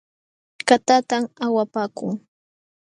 Katatam awapaakun .